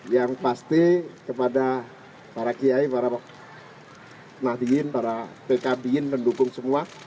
yang pasti kepada para kiai para nadiin para pkb in mendukung semua